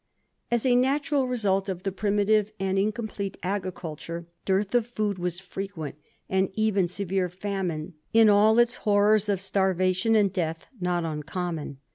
As a natural result of the primitive and incom plete agriculture, dearth of food was frequent, and even severe famine, in all its horrors of starvation and death, not uncommon.